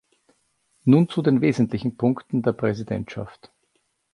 Nun zu den wesentlichen Punkten der Präsidentschaft.